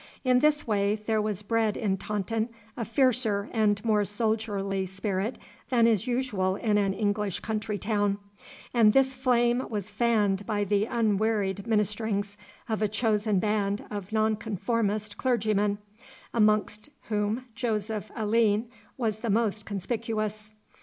In this way there was bred in Taunton a fiercer and more soldierly spirit than is usual in an English country town, and this flame was fanned by the unwearied ministerings of a chosen band of Nonconformist clergymen, amongst whom Joseph Alleine was the most conspicuous.